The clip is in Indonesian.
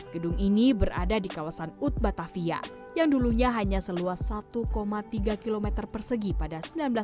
gedung ini berada di kawasan ut batavia yang dulunya hanya seluas satu tiga km persegi pada seribu sembilan ratus sembilan puluh